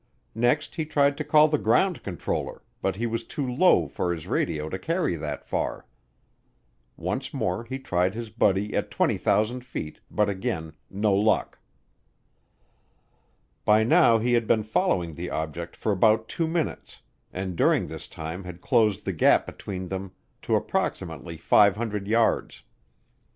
Next he tried to call the ground controller but he was too low for his radio to carry that far. Once more he tried his buddy at 20,000 feet, but again no luck. By now he had been following the object for about two minutes and during this time had closed the gap between them to approximately 500 yards.